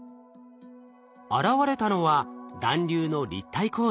現れたのは団粒の立体構造。